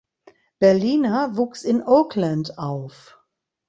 Berliner wuchs in Oakland auf.